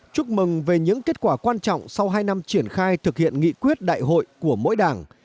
chúc mừng về những kết quả quan trọng sau hai năm triển khai thực hiện nghị quyết đại hội của mỗi đảng